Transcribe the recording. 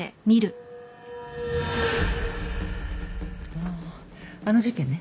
あああの事件ね。